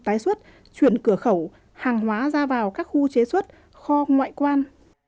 tái xuất chuyển cửa khẩu hàng hóa ra vào các khu chế xuất kho ngoại quan